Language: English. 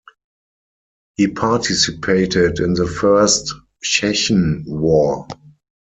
He participated in the First Chechen War.